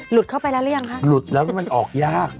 เข้าไปแล้วหรือยังคะหลุดแล้วก็มันออกยาก